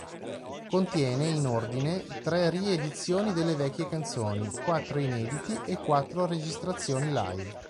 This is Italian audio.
Contiene, in ordine, tre ri-edizioni delle vecchie canzoni, quattro inediti e quattro registrazioni live.